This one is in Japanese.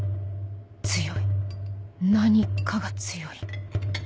強い何かが強い